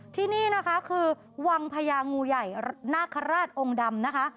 ที่นี่นะคะคือวังพญางูใหญ่นาคาราชองค์ดำนะคะ